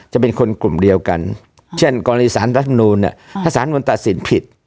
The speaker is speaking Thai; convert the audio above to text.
จะเป็นคนกลุ่มเดียวกันเช่นกรณีสารรัฐมนูลถ้าสารมวลตัดสินผิด